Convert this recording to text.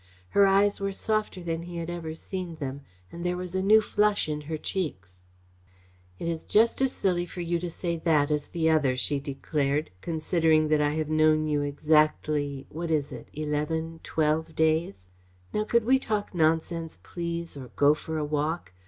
Her eyes were softer than he had ever seen them, and there was a new flush in her cheeks. "It is just as silly for you to say that as the other," she declared, "considering that I have known you exactly what is it? eleven, twelve days. Now, could we talk nonsense, please, or go for a walk.